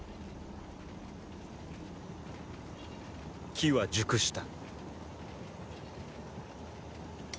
機は熟した。